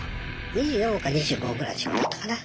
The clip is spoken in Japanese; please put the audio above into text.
２４億か２５ぐらいの仕事だったかな。